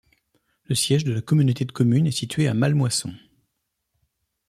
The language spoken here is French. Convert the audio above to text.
Le siège de la communauté de communes est situé à Mallemoisson.